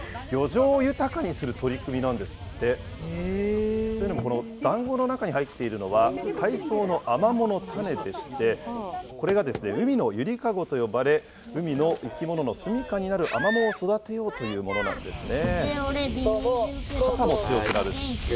漁場を豊かにする取り組みなんですって。というのもこのだんごの中に入っているのは、海草のアマモの種でして、これが海のゆりかごと呼ばれ、海の生き物の住みかになるアマモを育てようというものなんですね。